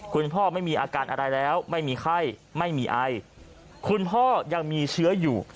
คุณพ่อไม่มีอาการอะไรแล้วไม่มีไข้ไม่มีไอคุณพ่อยังมีเชื้ออยู่